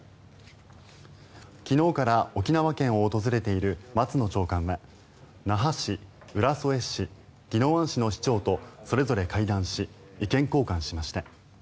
昨日から沖縄県を訪れている松野長官は那覇市、浦添市、宜野湾市の市長とそれぞれ会談し意見交換しました。